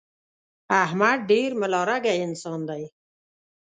احمد ډېر ملا رګی انسان دی.